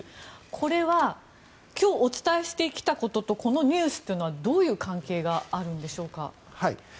これは今日お伝えしてきたこととこのニュースというのはどういう関係があるんでしょうか。